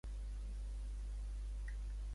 Brian i Sally comencen una relació amorosa?